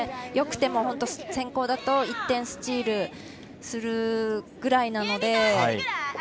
よくても先攻だと１点スチールするくらいなので。